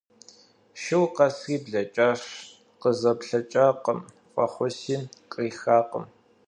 Шур къэсри блэкӏащ, къызэплъэкӏакъым, фӏэхъуси кърихакъым.